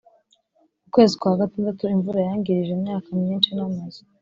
Mukwezi kwa gatandatu imvura yangirije imyaka myinshi n’amazu